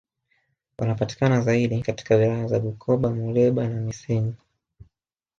Wanapatikana zaidi katika wilaya za Bukoba Muleba na Missenyi